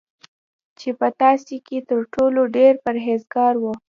چی په تاسی کی تر ټولو ډیر پرهیزګاره وی